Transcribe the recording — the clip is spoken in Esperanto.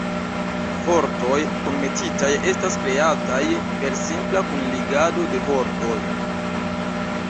Vortoj kunmetitaj estas kreataj per simpla kunligado de vortoj.